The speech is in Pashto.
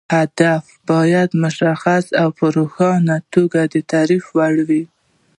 اهداف باید مشخص او په روښانه توګه د تعریف وړ وي.